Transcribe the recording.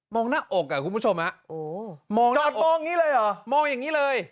หน้าอกอ่ะคุณผู้ชมฮะมองจอดมองอย่างนี้เลยเหรอมองอย่างนี้เลย